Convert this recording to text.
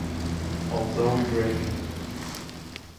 Although Brig.